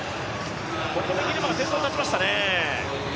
ここでギルマが先頭に立ちましたね。